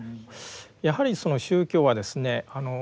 やはり宗教はですね